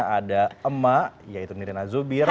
ada emak yaitu nirina zubir